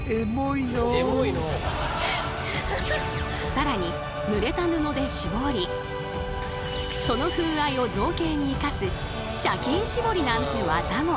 更にぬれた布でしぼりその風合いを造形に生かす「茶巾しぼり」なんて技も。